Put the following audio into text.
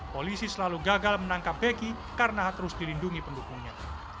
polisi selalu gagal menangkap beki karena harus dilindungi pendukungnya